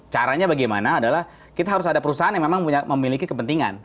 caranya bagaimana adalah kita harus ada perusahaan yang memang memiliki kepentingan